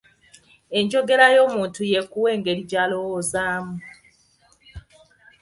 Enjogera y'omuntu y'ekuwa engeri gy'alowoozamu.